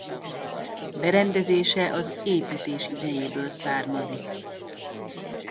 Berendezése az építés idejéből származik.